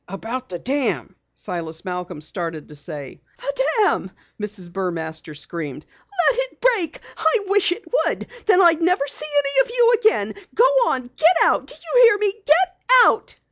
"About the dam " Silas Malcom started to say. "The dam!" Mrs. Burmaster screamed. "Let it break! I wish it would! Then I'd never see any of you again! Go on get out! Do you hear me? Get out!"